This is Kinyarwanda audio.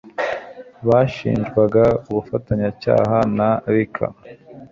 bashinjwaga ubufatanyacyaha na Ricky